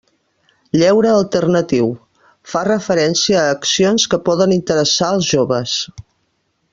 Lleure alternatiu: fa referència a accions que poden interessar els joves.